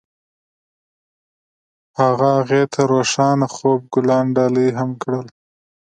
هغه هغې ته د روښانه خوب ګلان ډالۍ هم کړل.